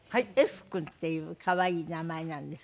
福君っていう可愛い名前なんです。